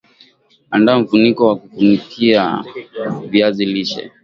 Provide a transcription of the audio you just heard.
andaa mfuniko wa kufunikia viazi lishe